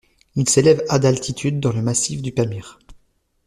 Il s'élève à d'altitude dans le massif du Pamir.